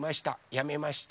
やめました。